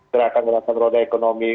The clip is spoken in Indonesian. serahkan dengan peneroda ekonomi